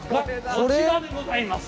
こちらでございます。